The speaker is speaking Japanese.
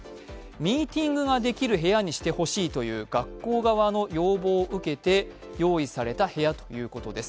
ミーティングができる部屋にしてほしいという学校側の要望を受けて用意された部屋だということです。